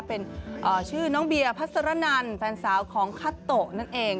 เป็นชื่อน้องเบียร์พัสรนันแฟนสาวของคัตโตะนั่นเอง